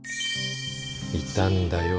いたんだよ